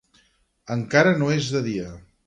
Encara no és de dia.